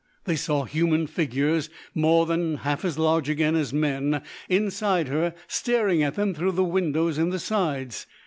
They saw human figures more than half as large again as men inside her staring at them through the windows in the sides.